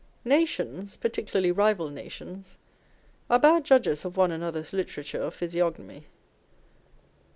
Nations (par ticularly rival nations) are bad judges of one another's literature or physiognomy.